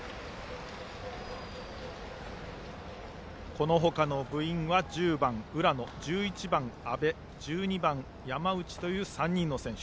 この他の部員は１０番の浦野１１番、阿部１２番、山内という３人の選手。